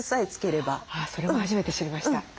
それも初めて知りました。